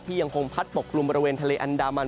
ยังคงพัดปกกลุ่มบริเวณทะเลอันดามัน